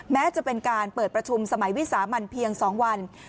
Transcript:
แม้จะเป็นการเปิดประชุมสมัยวิสามันเพียง๒วัน